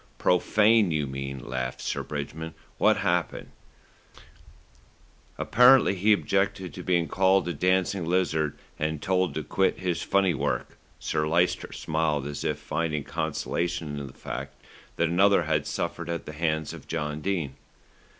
"Profane, you mean," laughed Sir Bridgman. "What happened?" "Apparently he objected to being called a dancing lizard, and told to quit his funny work." Sir Lyster smiled as if finding consolation in the fact that another had suffered at the hands of John Dene.